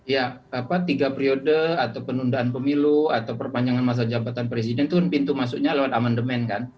ya apa tiga periode atau penundaan pemilu atau perpanjangan masa jabatan presiden itu pintu masuknya lewat amandemen kan